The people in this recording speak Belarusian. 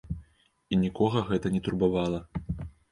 І нікога гэта не турбавала.